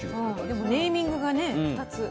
でもネーミングがね２つ。